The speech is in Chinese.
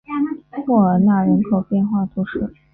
莫尔纳人口变化图示